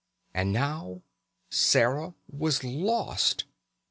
And now Sarah was lost!